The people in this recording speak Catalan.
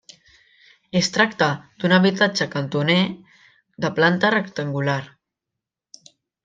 Es tracta d'un habitatge cantoner de planta rectangular.